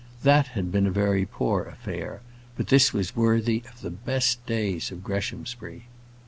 That had been a very poor affair, but this was worthy of the best days of Greshamsbury.